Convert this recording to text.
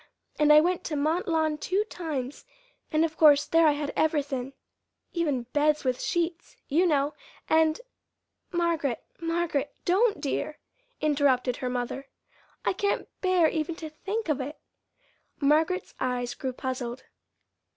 And I went to Mont Lawn two times, and of course there I had everythin', even beds with sheets, you know; and " "Margaret, Margaret, don't, dear!" interrupted her mother. "I can't bear even to think of it." Margaret's eyes grew puzzled.